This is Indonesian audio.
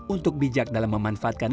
untuk bijak dalam memanfaatkan